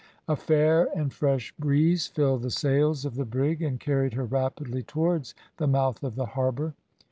A fair and fresh breeze filled the sails of the brig, and carried her rapidly towards the mouth of the harbour.